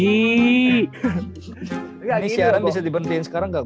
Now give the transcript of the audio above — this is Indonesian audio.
ini siaran bisa dibentukin sekarang nggak